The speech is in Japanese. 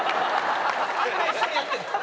何でみんな一緒にやってんの？